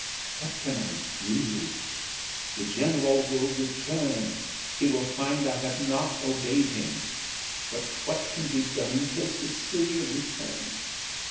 "What can I do? the general will return, he will find I have not obeyed him. But what can be done till Cecilia returns?